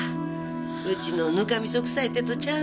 うちのぬかみそくさい手とちゃう。